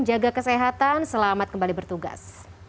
jaga kesehatan selamat kembali bertugas